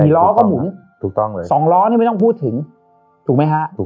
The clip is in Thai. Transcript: ๔ล้อก็หมุน๒ล้อไม่ต้องพูดถึงถูกไหมครับ